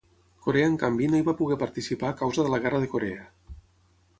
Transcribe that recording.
Corea, en canvi, no hi va poder participar a causa de la Guerra de Corea.